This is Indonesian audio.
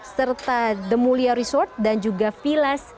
serta the mulia resort dan juga vilas